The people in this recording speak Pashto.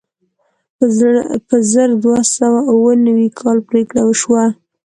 په زر دوه سوه اوه نوي کال پرېکړه وشوه.